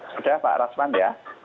sudah pak rasman ya